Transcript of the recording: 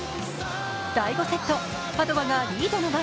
第５セット、パドヴァがリードの場面。